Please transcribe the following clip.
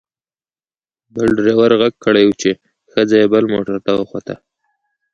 بل ډریور غږ کړی و چې ښځه یې بل موټر ته وخوته.